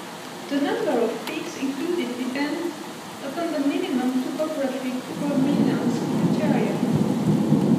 The number of peaks included depends upon the minimum topographic prominence criterion.